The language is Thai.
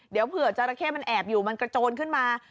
เดี๋ยวเผื่อจราเข้มันแอบอยู่มันกระโจนขึ้นมา